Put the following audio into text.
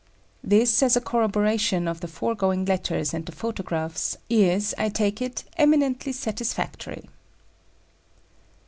This, as a corroboration of the foregoing letters and the photographs, is, I take it, eminently satisfactory.